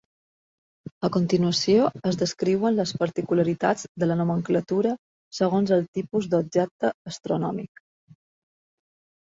A continuació, es descriuen les particularitats de la nomenclatura segons el tipus d'objecte astronòmic.